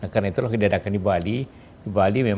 karena itulah kedadakan di bali